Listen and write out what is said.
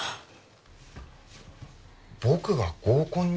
僕が合コンに？